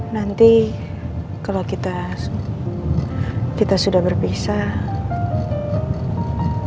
nanti kalau kita sudah berpisah